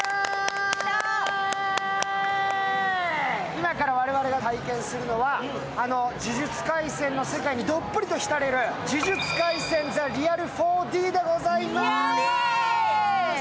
今から我々が体験するのは「呪術廻戦」の世界にどっぷりと浸れる呪術廻戦・ザリアル４−Ｄでございます。